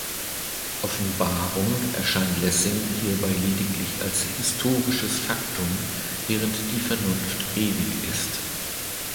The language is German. Offenbarung erscheint Lessing hierbei lediglich als historisches Faktum, während die Vernunft ewig ist.